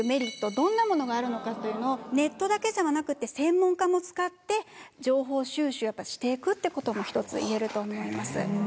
どんなものがあるのかというのをネットだけではなくて専門家も使って情報収集して行くってことも１つ言えると思います。